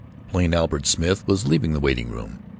Plain Albert Smith was leaving the waiting room.